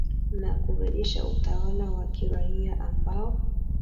na kurejesha utawala wa kiraia ambao